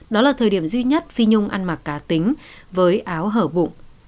đó là thời điểm duy nhất phi nhung ăn mặc cá tính với áo hở bụng